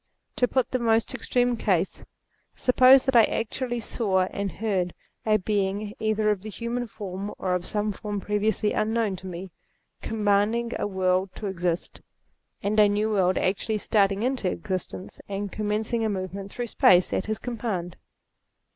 To put the most extreme case : suppose that I actually saw and heard a Being, either 218 THEISM of the human form, or of some form previously un known to me, commanding a world to exist, and a new world actually starting into existence and com mencing a movement through space, at his command.